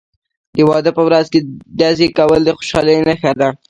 د واده په ورځ ډزې کول د خوشحالۍ نښه ده.